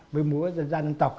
với múa dân dân dân tộc